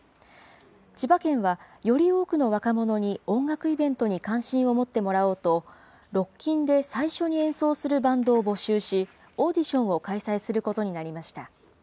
千葉県は、より多くの若者に音楽イベントに関心を持ってもらおうと、ロッキンで最初に演奏するバンドを募集し、オーディションを開催することになりました。